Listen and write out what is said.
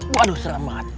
waduh serem banget